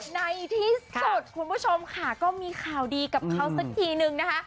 ในที่สุดคุณผู้ชมค่ะก็มีข่าวดีกับเขาสักทีนึงนะคะ